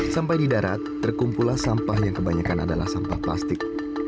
sampai di darat terkumpullah sampah yang kebanyakan adalah sampah plastik